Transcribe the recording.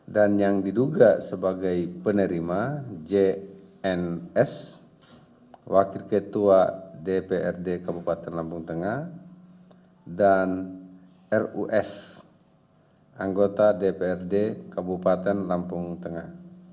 dan yang diduga sebagai penerima jns wakil ketua dprd kabupaten lampung tengah dan rus anggota dprd kabupaten lampung tengah